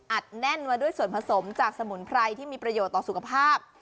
แน่นมาด้วยส่วนผสมจากสมุนไพรที่มีประโยชน์ต่อสุขภาพ